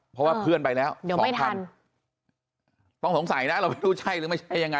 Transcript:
เพราะว่าเพื่อนไปแล้วเดี๋ยวไม่ทันต้องสงสัยนะเราไม่รู้ใช่หรือไม่ใช่ยังไง